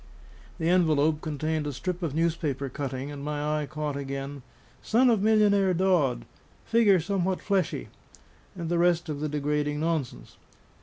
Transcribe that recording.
The envelope contained a strip of newspaper cutting; and my eye caught again, "Son of Millionaire Dodd Figure somewhat fleshy," and the rest of the degrading nonsense.